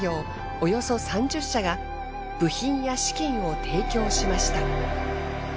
およそ３０社が部品や資金を提供しました。